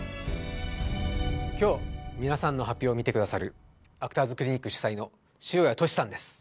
今日皆さんの発表を見てくださるアクターズクリニック主宰の塩屋俊さんです